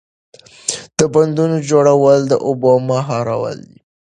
د بندونو جوړول د اوبو مهارول دي.